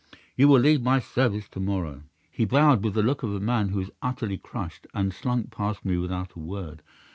You will leave my service to morrow." "'He bowed with the look of a man who is utterly crushed, and slunk past me without a word.